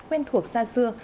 quen thuộc xa xưa